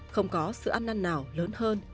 không có sự ăn năn nào lớn hơn